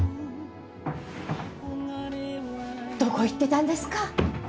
どこ行ってたんですか？